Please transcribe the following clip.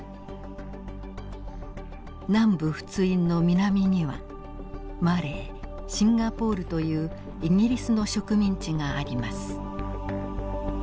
南部仏印の南にはマレーシンガポールというイギリスの植民地があります。